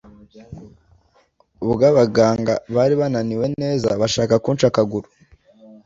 ubwo abaganga bari bananiwe neza bashaka kunca akaguru